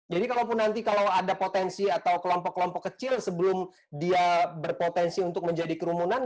jadi kalau nanti kalau ada potensi atau kelompok kelompok kecil sebelum dia berpotensi untuk menjadi kerumunan